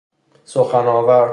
سخن آور